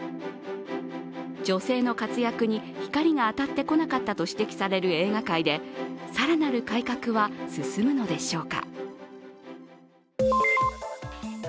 女性の活躍に光が当たってこなかったと指摘される映画界で更なる改革は進むのでしょうか。